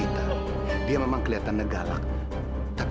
tapi pak maman tenang aja